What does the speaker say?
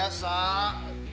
baik baik baik